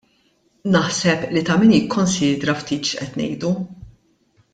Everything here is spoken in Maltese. Naħseb li ta' min jikkonsidra ftit x'qed ngħidu.